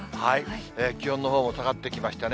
気温のほうも下がってきましたね。